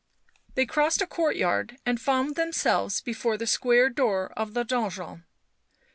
They crossed a courtyard and found themselves before the square door of the donjon.